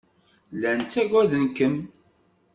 Llan ttaggaden-kem.